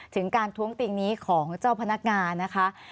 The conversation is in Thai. ถึงการท้วงติงนี้ของเจ้าพนักงานนะคะ